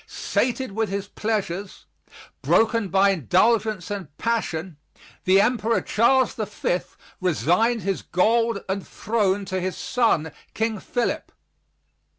Sated with his pleasures, broken by indulgence and passion, the Emperor Charles the Fifth resigned his gold and throne to his son, King Philip.